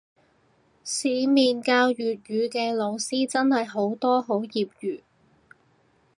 市面教粵語嘅老師真係好多好業餘